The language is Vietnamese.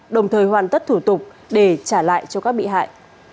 đồng thời hoàn tất thủ tục để trả lại cho các bị hại